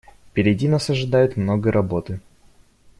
Впереди нас ожидает много работы.